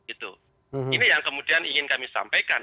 ini yang kemudian ingin kami sampaikan